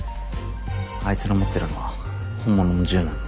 あいつの持ってるのは本物の銃なので。